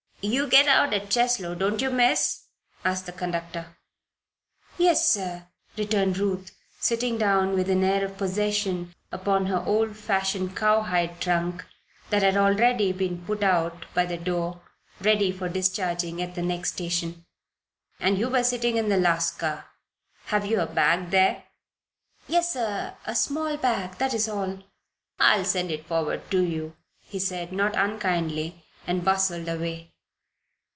"You get out at Cheslow; don't you Miss?" asked the conductor. "Yes, sir," returned Ruth, sitting down with an air of possession upon her old fashioned cowhide trunk that had already been put out by the door ready for discharging at the next station. "And you were sitting in the last car. Have you a bag there?" "Yes, sir, a small bag. That is all." "I'll send it forward to you," he said, not unkindly, and bustled away.